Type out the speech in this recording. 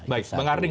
baik bang arding